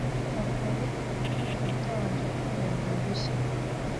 Ntabwo wari ukwiye kubikora utabanje kubiherwa uruhushya.